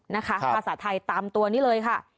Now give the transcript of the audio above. นะคะภาษาไทยตามตัวนี้เลยค่ะ